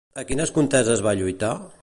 A quines conteses va lluitar?